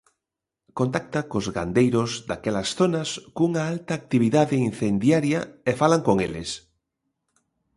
Contacta cos gandeiros daquelas zonas cunha alta actividade incendiaria e falan con eles.